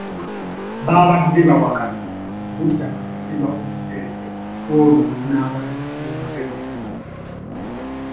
Baabadde bawakana buli ludda ne lusimbawo ssente ku olwo olunaaba lusinze.